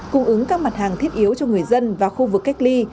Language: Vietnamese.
cung ứng các mặt hàng thiết yếu cho người dân và khu vực cách ly